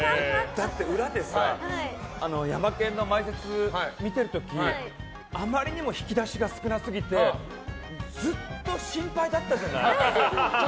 だって裏でさヤマケンの前説見てる時あまりにも引き出しが少なすぎてずっと心配だったじゃない。